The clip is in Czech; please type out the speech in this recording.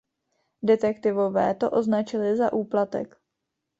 Detektivové to označili za úplatek.